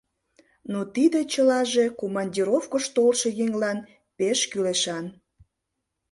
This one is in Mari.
Но тиде «чылаже» командировкыш толшо еҥлан пеш кӱлешан.